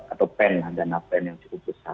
atau pen dana pen yang cukup besar